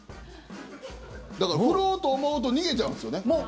だから、振ろうと思うと逃げちゃうんですよね。